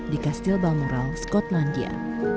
di kastil balmoral skotlandia